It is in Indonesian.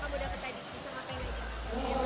bisa berantem sama main bola